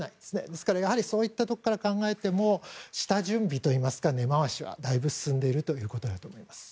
ですからそういったことから考えても下準備というか根回しはだいぶ進んでいるということだと思います。